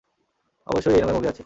অবশ্যই এই নামে মুভি আছে।